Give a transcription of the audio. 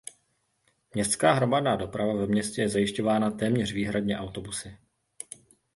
Městská hromadná doprava ve městě je zajišťována téměř výhradně autobusy.